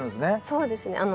そうですね。